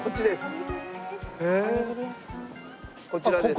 こちらです。